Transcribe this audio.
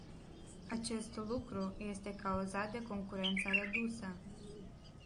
Acest lucru este cauzat de concurența redusă.